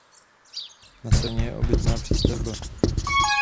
Na severní straně je obytná přístavba.